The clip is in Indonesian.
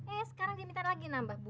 eh sekarang dia minta lagi nambah bubur